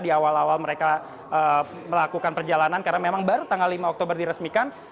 di awal awal mereka melakukan perjalanan karena memang baru tanggal lima oktober diresmikan